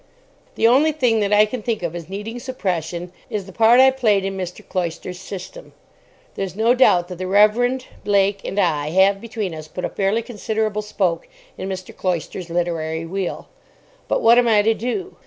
The only thing that I can think of as needing suppression is the part I played in Mr. Cloyster's system. There's no doubt that the Reverend, Blake and I have, between us, put a fairly considerable spoke in Mr. Cloyster's literary wheel. But what am I to do?